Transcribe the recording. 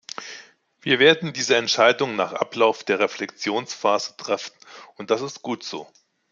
Wir werden diese Entscheidung nach Ablauf der Reflexionsphase treffen, und das ist gut so.